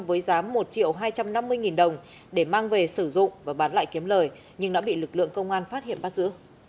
với giá một triệu hai trăm năm mươi nghìn đồng để mang về sử dụng và bán lại kiếm lời nhưng đã bị lực lượng công an phát hiện bắt giữ